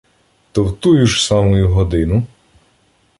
То в тую ж самую годину